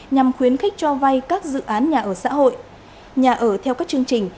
nhằm khuyến khích cho vay các dự án nhà ở xã hội nhà ở theo các chương trình